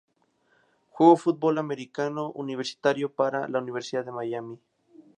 Juego fútbol Americano universitario para la Universidad de Miami.